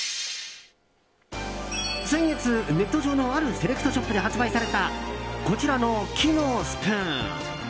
先月、ネット上のあるセレクトショップで発売されたこちらの木のスプーン。